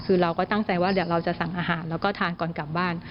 คือเราก็ตั้งใจว่าเดี๋ยวเราจะสั่งอาหารแล้วก็ทานก่อนกลับบ้าน